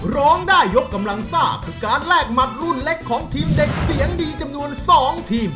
ร้องได้ยกกำลังซ่าคือการแลกหมัดรุ่นเล็กของทีมเด็กเสียงดีจำนวน๒ทีม